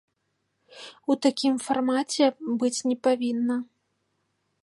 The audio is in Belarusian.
У такім фармаце быць не павінна.